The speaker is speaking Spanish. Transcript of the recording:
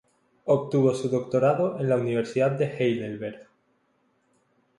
Obtuvo su doctorado en la Universidad de Heidelberg.